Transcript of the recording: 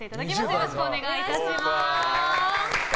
よろしくお願いします。